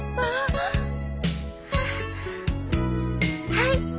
はい。